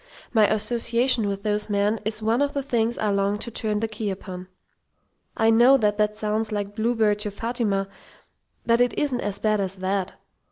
my association with those men is one of the things I long to turn the key upon. I know that that sounds like Bluebeard to Fatima, but it isn't as bad as that.